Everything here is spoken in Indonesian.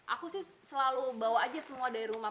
aku sih selalu bawa aja semua dari rumah